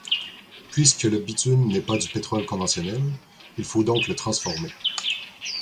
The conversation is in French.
Puisque le bitume n’est pas du pétrole conventionnel, il faut donc le transformer.